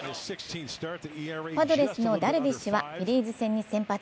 パドレスのダルビッシュはフィリーズ戦に先発。